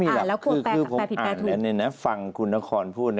ไม่มีหรอกคือผมอ่านฟังคุณนครพูด